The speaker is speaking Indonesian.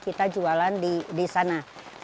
kita jualan di sana